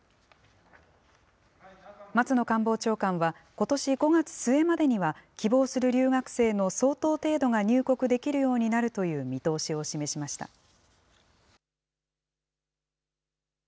松野官房長官は、ことし５月末までには希望する留学生の相当程度が入国できるようになるという見通しを示しました。